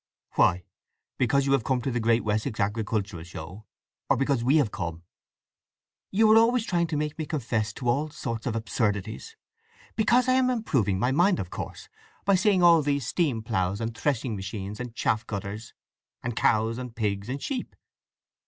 "Why? Because you have come to the great Wessex Agricultural Show—or because we have come?" "You are always trying to make me confess to all sorts of absurdities. Because I am improving my mind, of course, by seeing all these steam ploughs, and threshing machines, and chaff cutters, and cows, and pigs, and sheep."